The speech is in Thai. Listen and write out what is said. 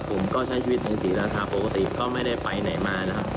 ผมก็ใช้ชีวิตเป็นศรีราชาปกติก็ไม่ได้ไปไหนมานะครับ